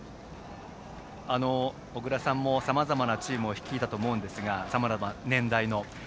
小倉さんもさまざまなチームを率いたと思いますがさまざまな年代の。